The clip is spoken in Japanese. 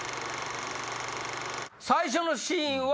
最初のシーンは。